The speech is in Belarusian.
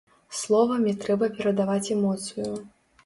Словамі трэба перадаваць эмоцыю.